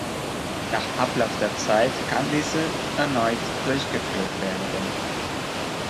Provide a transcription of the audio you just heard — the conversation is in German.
Nach Ablauf der Zeit kann diese erneut durchgeführt werden.